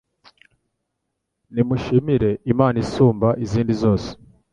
Nimushimire Imana isumba izindi zose